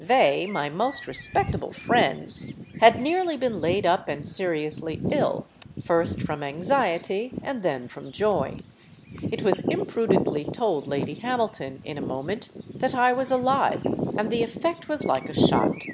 They, my most respectable friends, had nearly been laid up and seriously ill, first from anxiety and then from joy. It was im prudently told Lady Hamilton, in a moment, that I was alive; and the effect was like a shot.